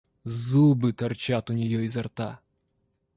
Зубы торчат у нее изо рта.